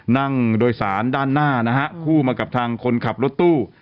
นั่งโดยสารด้านหน้านะฮะคู่มากับทางคนขับรถตู้